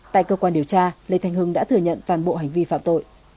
tại cơ quan điều tra lê thanh hưng đã thừa nhận toàn bộ hành vi phạm tội